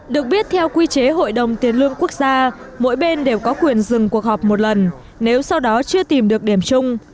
được biết theo quy chế hội đồng tiền lương quốc gia mỗi bên đều có quyền dừng cuộc họp một lần nếu sau đó chưa tìm được điểm chung